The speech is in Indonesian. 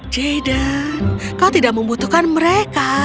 jaden kau tidak membutuhkan mereka